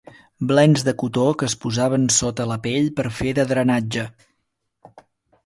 Blens de cotó que es posaven sota la pell per fer de drenatge.